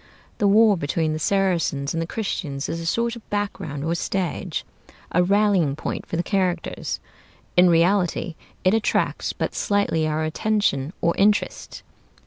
The war between the Saracens and the Christians is a sort of background or stage; a rallying point for the characters. In reality it attracts but slightly our attention or interest.